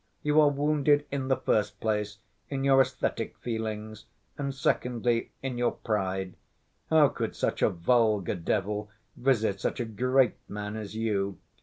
You are wounded, in the first place, in your esthetic feelings, and, secondly, in your pride. How could such a vulgar devil visit such a great man as you!